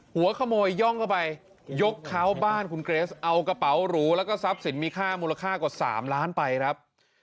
หัวขโมยย่องเข้าไปยกเขาบ้านคุณเกรสเอากระเป๋าหรูแล้วก็ทรัพย์สินมีค่ามูลค่ากว่า๓ล้านไปครับ